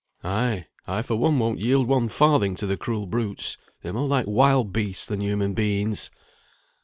"Ay, I for one won't yield one farthing to the cruel brutes; they're more like wild beasts than human beings."